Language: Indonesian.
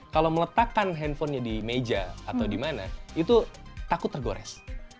kalau meletakkan handphonenya di meja atau di mana itu takut tergores